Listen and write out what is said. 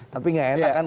tapi gak enak kan